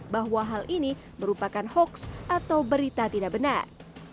bahwa hal ini merupakan hoax atau berita tidak benar